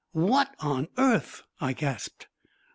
"What on earth?" I gasped.